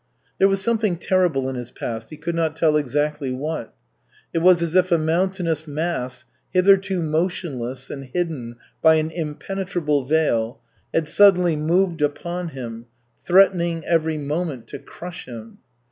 There was something terrible in his past, he could not tell exactly what. It was as if a mountainous mass, hitherto motionless and hidden by an impenetrable veil, had suddenly moved upon him, threatening every moment to crush him.